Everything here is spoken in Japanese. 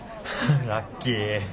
ラッキー。